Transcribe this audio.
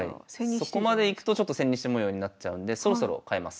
そこまでいくと千日手模様になっちゃうんでそろそろ変えます。